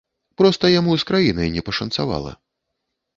Проста яму з краінай не пашанцавала.